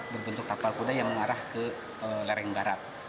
berbentuk tapal kuda yang mengarah ke lereng barat